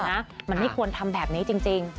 นะมันไม่ควรทำแบบนี้จริง